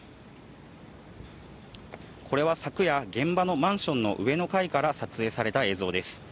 これは昨夜、現場のマンションの上の階から撮影された映像です。